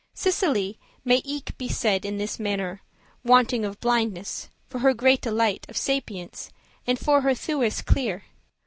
Cecilie may eke be said in this mannere, Wanting of blindness, for her greate light Of sapience, and for her thewes* clear.